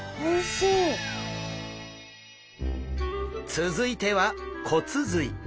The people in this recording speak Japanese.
続いては骨髄。